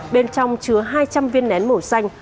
bên trong chứa hai trăm linh viên nén màu xanh